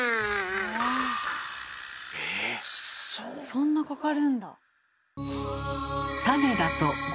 そんなかかるんだ。